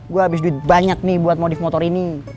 gue abis duit banyak nih buat modif motor ini